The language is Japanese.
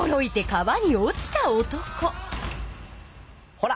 ほら。